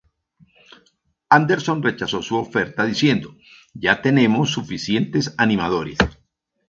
Anderson rechazó su oferta, diciendo, "ya tenemos suficientes animadores".